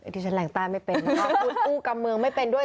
ที่ฉันแหล่งตาไม่เป็นแล้วก็กุ้นอู่กับเมืองไม่เป็นด้วย